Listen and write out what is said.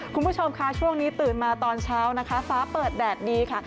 คุณผู้ชมค่ะช่วงนี้ตื่นมาตอนเช้านะคะฟ้าเปิดแดดดีค่ะ